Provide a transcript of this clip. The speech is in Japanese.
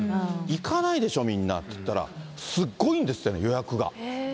行かないでしょ、みんなって聞いたら、すごいんですってね、予約が。